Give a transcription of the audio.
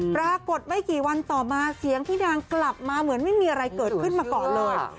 ปรากฏไม่กี่วันต่อมาเสียงพี่นางกลับมาเหมือนไม่มีอะไรเกิดขึ้นมาก่อนเลย